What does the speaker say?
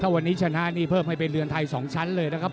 วันนี้ชนะนี่เพิ่มให้เป็นเรือนไทย๒ชั้นเลยนะครับ